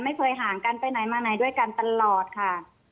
ไม่เคยห่างกันไปไหนมาไหนด้วยกันตลอดค่ะ